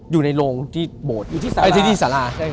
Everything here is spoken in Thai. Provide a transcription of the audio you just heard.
อยู่ในโรงที่โบสถ์อยู่ที่สารา